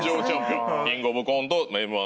キングオブコントＭ−１。